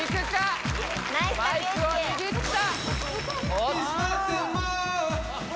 マイクを握った！